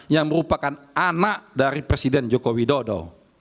yang merupakan anak dari presiden joko widodo